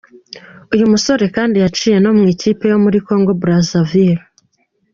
Uyu musore yaciye kandi mu ikipe yo muri Congo Brazzaville.